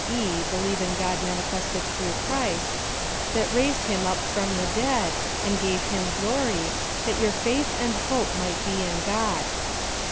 e. believe in God manifested through Christ,] " that raised him up from the dead, and gave him glory, that your faith and hope might be in God.